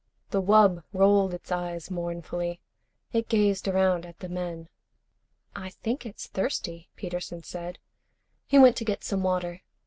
The wub rolled its eyes mournfully. It gazed around at the men. "I think it's thirsty," Peterson said. He went to get some water.